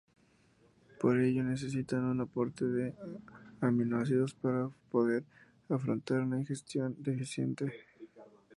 Por ello necesitan un aporte de aminoácidos para poder afrontar una ingestión deficiente.